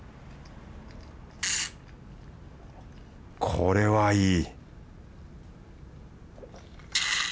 これはいい